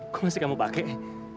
kok masih kamu pakai